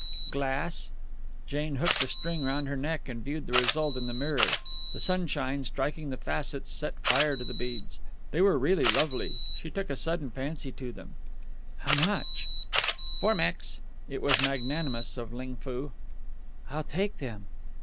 "Glass." Jane hooked the string round her neck and viewed the result in the mirror. The sunshine, striking the facets, set fire to the beads. They were really lovely. She took a sudden fancy to them. "How much?" "Four Mex." It was magnanimous of Ling Foo. "I'll take them."